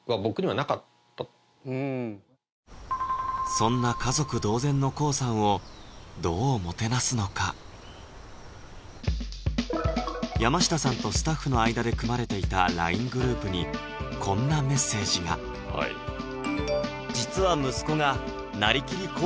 そんな家族同然のＫＯＯさんをどうもてなすのか山下さんとスタッフの間で組まれていたＬＩＮＥグループにこんなメッセージがあら！